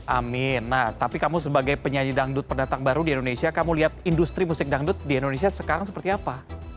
amin nah tapi kamu sebagai penyanyi dangdut pendatang baru di indonesia kamu lihat industri musik dangdut di indonesia sekarang seperti apa